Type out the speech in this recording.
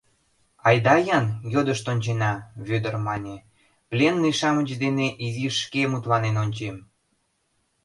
— Айда-ян йодышт ончена, — Вӧдыр мане, — пленный-шамыч дене изиш шке мутланен ончем.